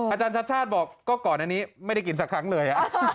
อาจารย์ชัดชาติบอกก็ก่อนอันนี้ไม่ได้กินสักครั้งเลย